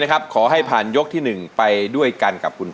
ขอบคุณครับ